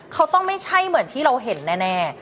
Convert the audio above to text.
เขาต้องไม่ใช่เหมือนที่เราเห็นแน่